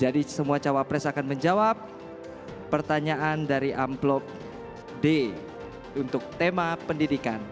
jadi semua cawapres akan menjawab pertanyaan dari amplop d untuk tema pendidikan